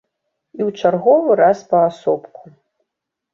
І ў чарговы раз паасобку.